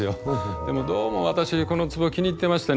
でもどうも私この壺が気に入ってましてね。